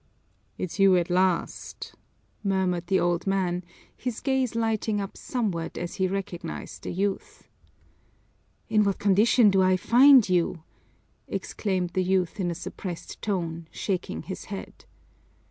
"It's you at last," murmured the old man, his gaze lighting up somewhat as he recognized the youth. "In what condition do I find you!" exclaimed the youth in a suppressed tone, shaking his head.